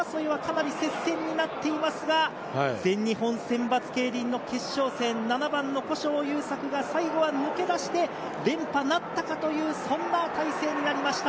２着争いはかなり接戦になっていますが、全日本選抜競輪の決勝戦、７番の古性優作が最後は抜け出して連覇なったかという、そんな大勢になりました。